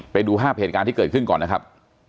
ไปดูภาพเหตุการณ์ที่เกิดขึ้นก่อนนะครับ